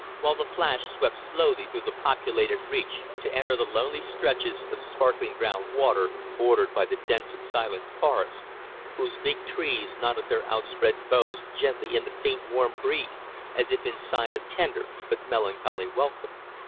while the Flash swept slowly through the populated reach, to enter the lonely stretches of sparkling brown water bordered by the dense and silent forest, whose big trees nodded their outspread boughs gently in the faint, warm breeze as if in sign of tender but melancholy welcome.